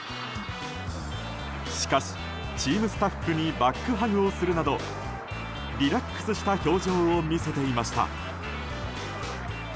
しかし、チームスタッフにバックハグをするなどリラックスした表情を見せていました。